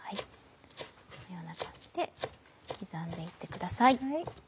このような感じで刻んで行ってください。